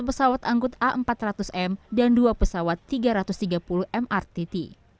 enam pesawat angkut a empat ratus m dan dua pesawat tiga ratus tiga puluh mrtt